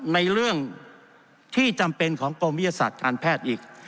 ในเรื่องที่จำเป็นของกรมวิทยาศาสตร์การแพทย์อีก